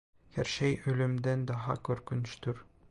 Her şey ölümden daha korkunçtur.